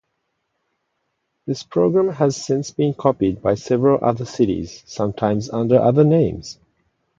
The program has since been copied by several other cities, sometimes under other names.